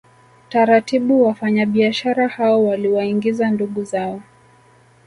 Taratibu wafanyabiashara hao waliwaingiza ndugu zao